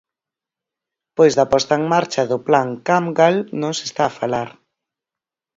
Pois da posta en marcha do Plan Camgal non se está a falar.